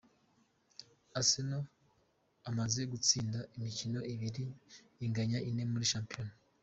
Arsenal amaze gutsinda imikino ibiri inganya ine muri shampiyona.